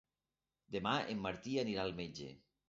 Demà en Martí anirà al metge.